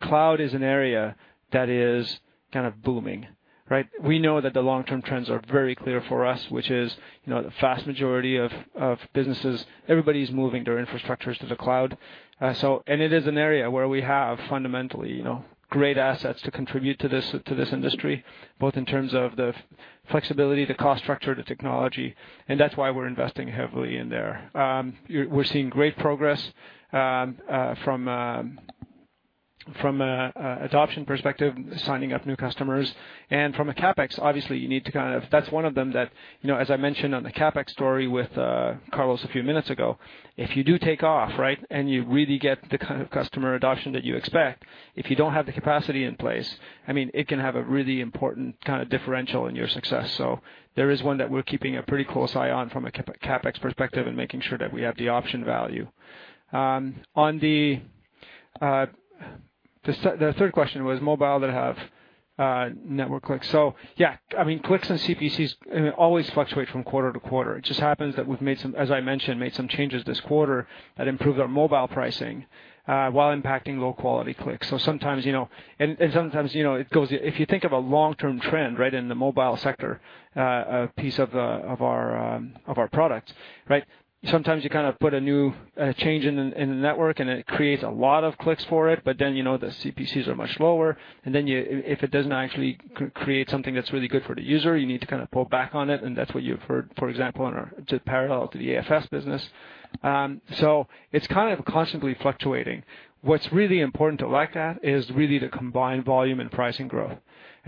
cloud is an area that is kind of booming, right? We know that the long-term trends are very clear for us, which is the vast majority of businesses, everybody's moving their infrastructures to the cloud. And it is an area where we have fundamentally great assets to contribute to this industry, both in terms of the flexibility, the cost structure, the technology. And that's why we're investing heavily in there. We're seeing great progress from an adoption perspective, signing up new customers. From a CapEx perspective, obviously, you need to kind of. That's one of them that, as I mentioned on the CapEx story with Carlos a few minutes ago, if you do take off, right, and you really get the kind of customer adoption that you expect, if you don't have the capacity in place, I mean, it can have a really important kind of differential in your success. So there is one that we're keeping a pretty close eye on from a CapEx perspective and making sure that we have the option value. The third question was mobile ad Network clicks. So yeah, I mean, clicks and CPCs always fluctuate from quarter to quarter. It just happens that we've made, as I mentioned, some changes this quarter that improved our mobile pricing while impacting low-quality clicks. So sometimes, and sometimes it goes if you think of a long-term trend, right, in the mobile sector piece of our product, right. Sometimes you kind of put a new change in the Network and it creates a lot of clicks for it, but then the CPCs are much lower. And then if it doesn't actually create something that's really good for the user, you need to kind of pull back on it. And that's what you've heard, for example, in parallel to the AFS business. So it's kind of constantly fluctuating. What's really important to like that is really the combined volume and pricing growth.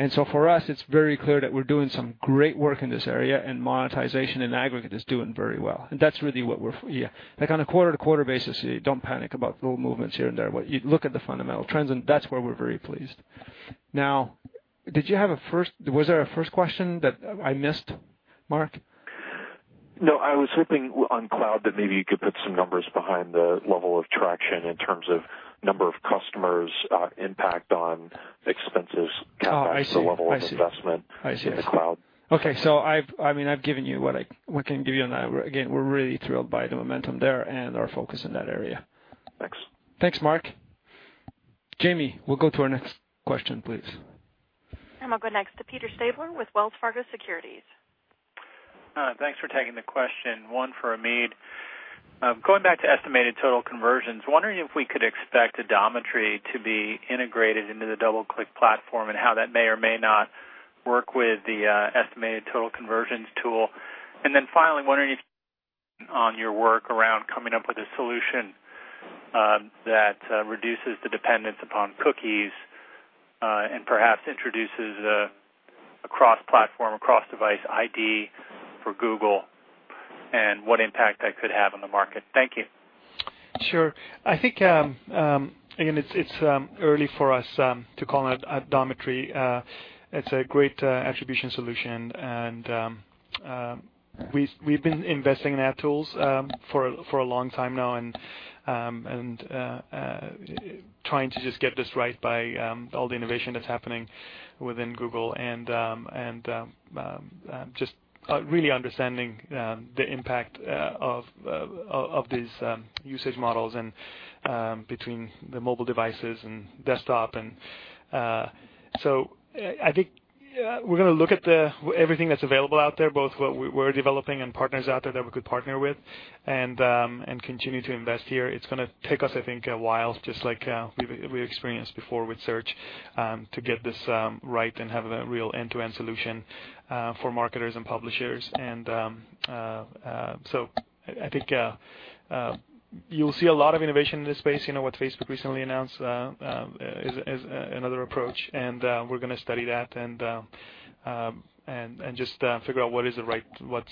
And so for us, it's very clear that we're doing some great work in this area and monetization in aggregate is doing very well. And that's really what we're yeah. Like on a quarter-to-quarter basis, don't panic about little movements here and there, but you look at the fundamental trends, and that's where we're very pleased. Now, did you have a first? Was there a first question that I missed, Mark? No, I was hoping, on cloud, that maybe you could put some numbers behind the level of traction in terms of number of customers' impact on expenses, CapEx, the level of investment in the cloud. Okay. So I mean, I've given you what I can give you on that. Again, we're really thrilled by the momentum there and our focus in that area. Thanks. Thanks, Mark. Jamie, we'll go to our next question, please, and we'll go next to Peter Stabler with Wells Fargo Securities. Thanks for taking the question. One for Omid. Going back to Estimated Total Conversions, wondering if we could expect Adometry to be integrated into the DoubleClick platform and how that may or may not work with the Estimated Total Conversions tool? And then finally, wondering if on your work around coming up with a solution that reduces the dependence upon cookies and perhaps introduces a cross-platform, cross-device ID for Google and what impact that could have on the market. Thank you. Sure. I think, again, it's early for us to call it Adometry. It's a great attribution solution. And we've been investing in ad tools for a long time now and trying to just get this right by all the innovation that's happening within Google and just really understanding the impact of these usage models and between the mobile devices and desktop. And so I think we're going to look at everything that's available out there, both what we're developing and partners out there that we could partner with and continue to invest here. It's going to take us, I think, a while, just like we've experienced before with Search, to get this right and have a real end-to-end solution for marketers and publishers. And so I think you'll see a lot of innovation in this space. What Facebook recently announced is another approach. And we're going to study that and just figure out what is the right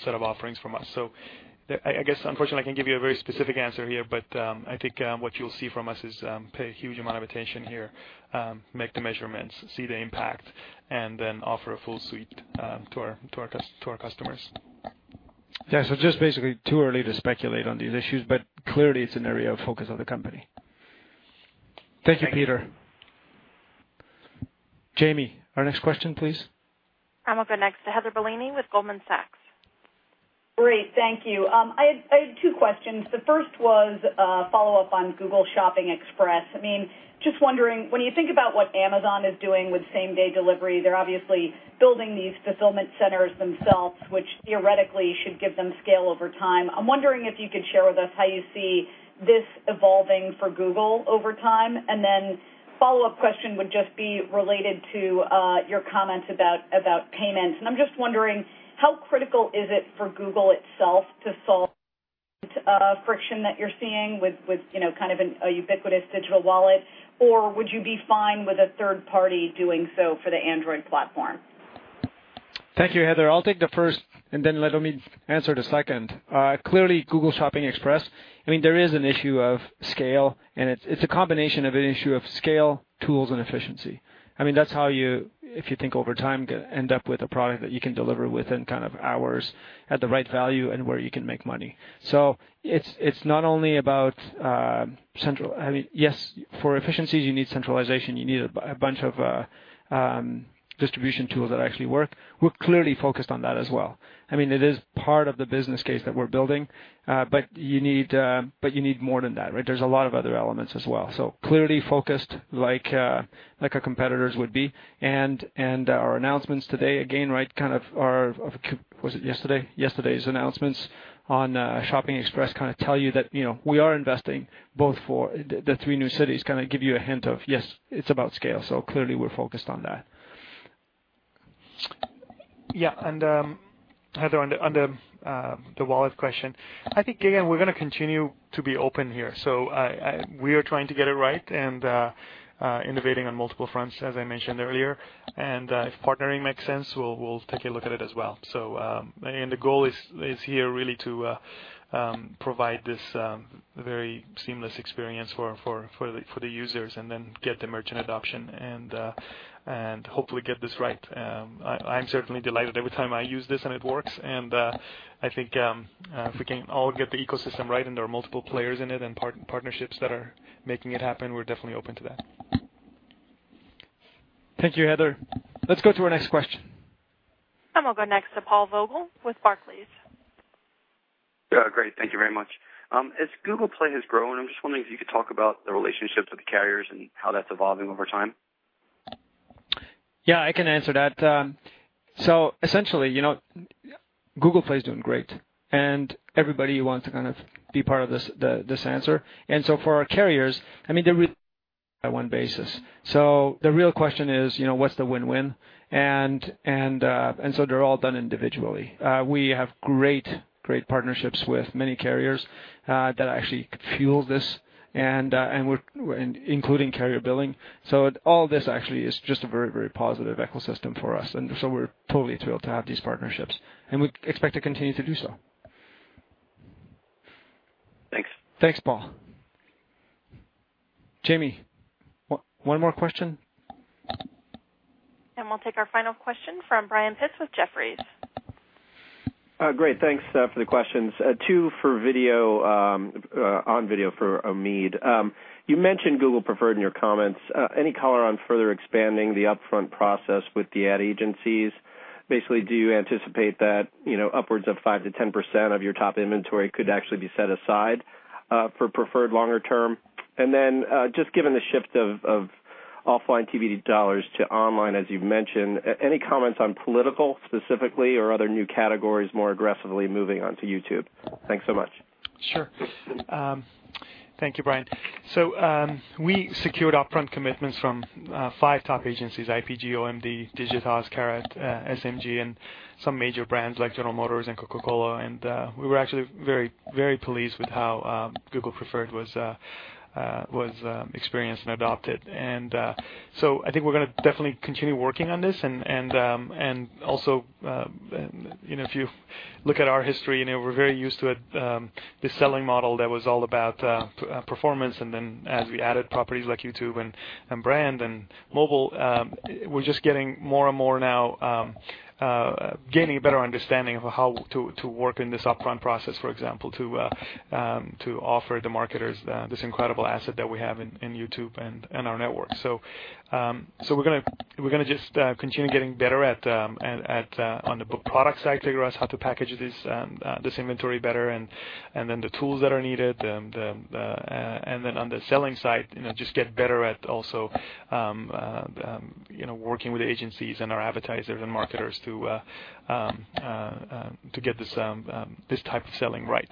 set of offerings from us. So I guess, unfortunately, I can't give you a very specific answer here, but I think what you'll see from us is pay a huge amount of attention here, make the measurements, see the impact, and then offer a full suite to our customers. Yeah. It's just basically too early to speculate on these issues, but clearly, it's an area of focus of the company. Thank you, Peter. Jamie, our next question, please. And we'll go next to Heather Bellini with Goldman Sachs. Great. Thank you. I had two questions. The first was a follow-up on Google Shopping Express. I mean, just wondering, when you think about what Amazon is doing with same-day delivery, they're obviously building these fulfillment centers themselves, which theoretically should give them scale over time. I'm wondering if you could share with us how you see this evolving for Google over time. And then follow-up question would just be related to your comments about payments. And I'm just wondering, how critical is it for Google itself to solve friction that you're seeing with kind of a ubiquitous digital wallet? Or would you be fine with a third party doing so for the Android platform? Thank you, Heather. I'll take the first and then let Omid answer the second. Clearly, Google Shopping Express. I mean, there is an issue of scale, and it's a combination of an issue of scale, tools, and efficiency. I mean, that's how you, if you think over time, end up with a product that you can deliver within kind of hours at the right value and where you can make money. So it's not only about central. I mean, yes, for efficiencies, you need centralization. You need a bunch of distribution tools that actually work. We're clearly focused on that as well. I mean, it is part of the business case that we're building, but you need more than that, right? There's a lot of other elements as well. So clearly focused like our competitors would be. And our announcements today, again, right, kind of, or was it yesterday? Yesterday's announcements on Shopping Express kind of tell you that we are investing both for the three new cities, kind of give you a hint of, yes, it's about scale. So clearly, we're focused on that. Yeah. And Heather, on the wallet question, I think, again, we're going to continue to be open here. So we are trying to get it right and innovating on multiple fronts, as I mentioned earlier. And if partnering makes sense, we'll take a look at it as well. And the goal is here really to provide this very seamless experience for the users and then get the merchant adoption and hopefully get this right. I'm certainly delighted. Every time I use this and it works. I think if we can all get the ecosystem right and there are multiple players in it and partnerships that are making it happen, we're definitely open to that. Thank you, Heather. Let's go to our next question, and we'll go next to Paul Vogel with Barclays. Great. Thank you very much. As Google Play has grown, I'm just wondering if you could talk about the relationship to the carriers and how that's evolving over time. Yeah, I can answer that. So essentially, Google Play is doing great, and everybody wants to kind of be part of this answer. And so for our carriers, I mean, they're really on a one-on-one basis. So the real question is, what's the win-win? And so they're all done individually. We have great, great partnerships with many carriers that actually fuel this, including carrier billing. So all this actually is just a very, very positive ecosystem for us. And so we're totally thrilled to have these partnerships. And we expect to continue to do so. Thanks. Thanks, Paul. Jamie, one more question. And we'll take our final question from Brian Pitz with Jefferies. Great. Thanks for the questions. Two for video, on video for Omid. You mentioned Google Preferred in your comments. Any color on further expanding the upfront process with the ad agencies? Basically, do you anticipate that upwards of 5%-10% of your top inventory could actually be set aside for preferred longer term? And then just given the shift of offline TV dollars to online, as you've mentioned, any comments on political specifically or other new categories more aggressively moving on to YouTube? Thanks so much. Sure. Thank you, Brian. So we secured upfront commitments from five top agencies: IPG, OMD, Digitas, Carat, SMG, and some major brands like General Motors and Coca-Cola. And we were actually very, very pleased with how Google Preferred was experienced and adopted. And so I think we're going to definitely continue working on this. And also, if you look at our history, we're very used to the selling model that was all about performance. And then as we added properties like YouTube and brand and mobile, we're just getting more and more now, gaining a better understanding of how to work in this upfront process, for example, to offer the marketers this incredible asset that we have in YouTube and our Network. So we're going to just continue getting better at, on the product side, figure out how to package this inventory better and then the tools that are needed. And then on the selling side, just get better at also working with agencies and our advertisers and marketers to get this type of selling right.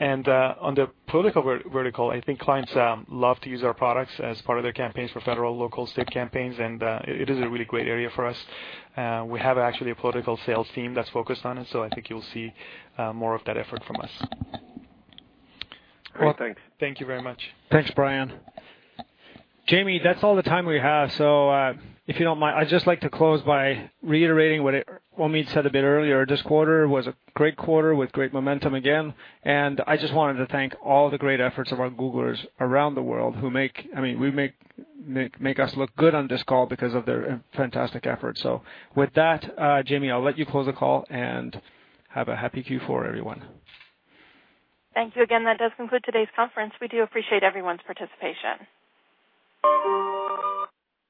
And on the political vertical, I think clients love to use our products as part of their campaigns for federal, local, state campaigns. And it is a really great area for us. We have actually a political sales team that's focused on it. So I think you'll see more of that effort from us. Great. Thank you very much. Thanks, Brian. Jamie, that's all the time we have. So if you don't mind, I'd just like to close by reiterating what Omid said a bit earlier. This quarter was a great quarter with great momentum again. I just wanted to thank all the great efforts of our Googlers around the world who make, I mean, make us look good on this call because of their fantastic efforts. So with that, Jamie, I'll let you close the call and have a happy Q4, everyone. Thank you again. That does conclude today's conference. We do appreciate everyone's participation.